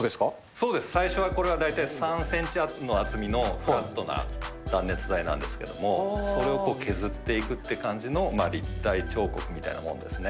そうです、最初は大体これ、３センチの厚みのフラットな断熱材なんですけども、それを削っていくっていう感じの、立体彫刻みたいなもんですね。